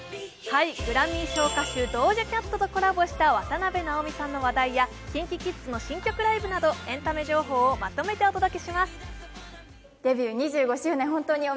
グラミー賞歌手ドージャ・キャットとコラボした渡辺直美さんの話題やＫｉｎＫｉＫｉｄｓの新曲ライブなどエンタメ情報をまとめてお届けします。